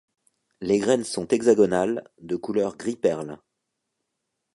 Les graines sont hexagonales, de couleur gris perle.